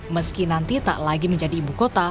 meski nanti tak lagi menjadi ibu kota